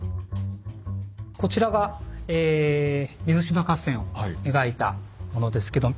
こちらが水島合戦を描いたものですけど。